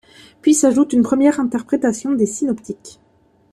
Puis s'ajoute une première interprétation des synoptiques.